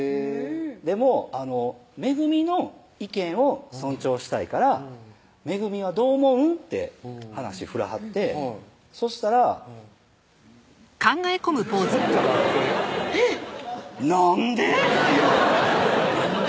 「でも恵の意見を尊重したいから恵はどう思うん？」って話振らはってそしたらちょっと待ってなんで⁉っていうなんで？